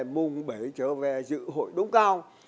mùng bảy trở về dự hội đông cao